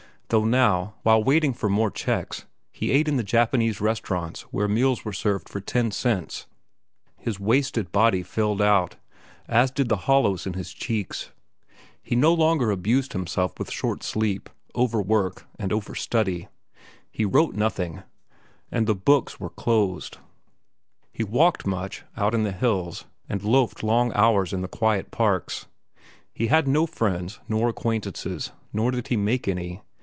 Though now, while waiting for more checks, he ate in the Japanese restaurants where meals were served for ten cents, his wasted body filled out, as did the hollows in his cheeks. He no longer abused himself with short sleep, overwork, and overstudy. He wrote nothing, and the books were closed. He walked much, out in the hills, and loafed long hours in the quiet parks. He had no friends nor acquaintances, nor did he make any.